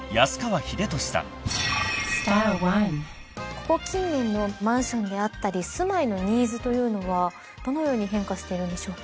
ここ近年のマンションであったり住まいのニーズというのはどのように変化しているんでしょうか？